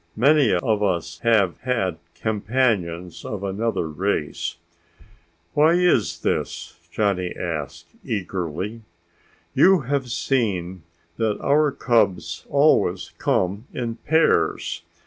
Many of us have had companions of another race." "But why is this?" Johnny asked eagerly. "You have seen that our cubs always come in pairs.